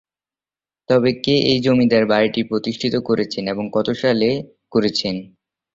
তবে কে এই জমিদার বাড়িটি প্রতিষ্ঠিত করেছেন এবং কত সালে করেছেন।